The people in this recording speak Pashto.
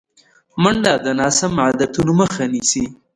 منډه د ناسم عادتونو مخه نیسي